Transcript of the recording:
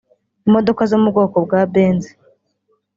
imodoka zo mu bwoko bwa Benz